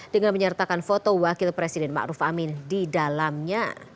dengan menyertakan foto wakil presiden maruf amin di dalamnya